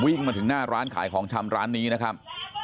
วิ่งมาถึงหน้าร้านขายของชำร้านนี้นะครับ